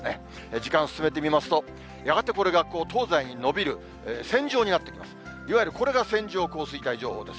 時間進めてみますと、やがてこれが東西に延びる、線状になってきます。